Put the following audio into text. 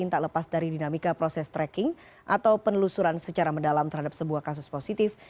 tak lepas dari dinamika proses tracking atau penelusuran secara mendalam terhadap sebuah kasus positif